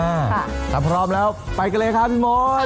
ถ้าพร้อมแล้วไปกันเลยครับพี่มด